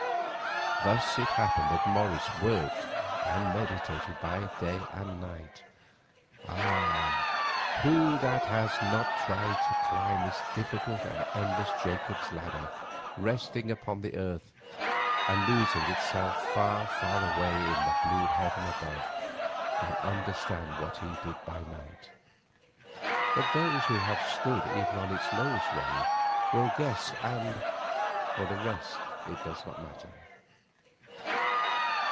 Thus it happened that Morris worked and meditated by day, and by night—ah! who that has not tried to climb this difficult and endless Jacob's ladder resting upon the earth and losing itself far, far away in the blue of heaven above, can understand what he did by night? But those who have stood even on its lowest rung will guess, and—for the rest it does not matter.